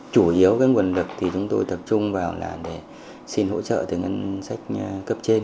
chủ yếu cái nguồn lực thì chúng tôi tập trung vào là để xin hỗ trợ từ ngân sách cấp trên